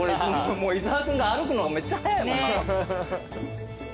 伊沢君が歩くのがめっちゃ速いもんな。